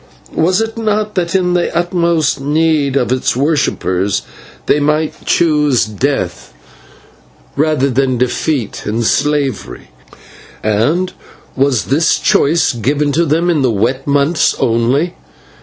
Was it not that in the utmost need of its worshippers they might choose death rather than defeat and slavery? And was this choice given to them in the wet months only?